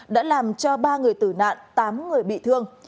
đã làm cho ba người tử nạn tám người bị thương